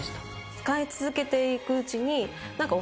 使い続けていくうちに。